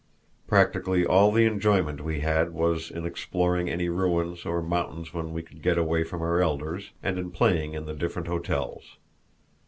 Practically all the enjoyment we had was in exploring any ruins or mountains when we could get away from our elders, and in playing in the different hotels.